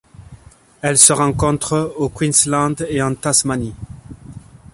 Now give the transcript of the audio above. Elles se rencontrent au Queensland et en Tasmanie.